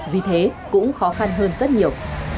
vì thế cũng khó khăn hơn rất nhiều